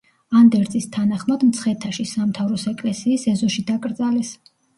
ანდერძის თანახმად მცხეთაში, სამთავროს ეკლესიის ეზოში დაკრძალეს.